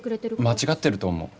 間違ってると思う。